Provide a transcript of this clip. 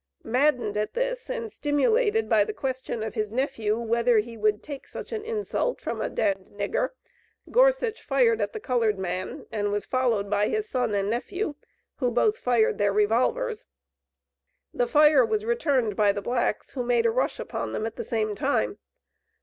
Maddened at this, and stimulated by the question of his nephew, whether he would "take such an insult from a d d nigger," Gorsuch fired at the colored man, and was followed by his son and nephew, who both fired their revolvers. The fire was returned by the blacks, who made a rush upon them at the same time.